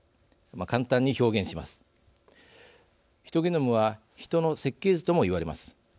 ヒトゲノムはヒトの設計図とも言われます。